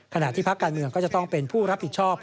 ขณะที่พักการเมืองก็จะต้องเป็นผู้รับผิดชอบ